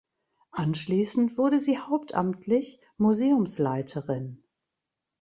Anschließend wurde sie hauptamtlich Museumsleiterin.